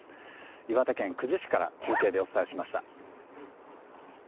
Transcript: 岩手県久慈市から中継でお伝えしました。